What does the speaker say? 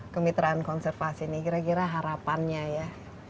kemitraan konservasi ini kira kira harapannya ya